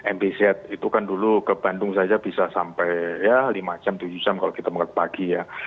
mbz itu kan dulu ke bandung saja bisa sampai ya lima jam tujuh jam kalau kita mengangkat pagi ya